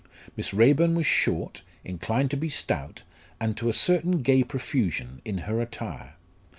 Miss Raeburn was short, inclined to be stout, and to a certain gay profusion in her attire.